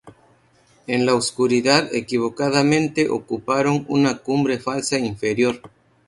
En la oscuridad equivocadamente ocuparon una cumbre falsa inferior.